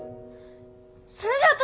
それで私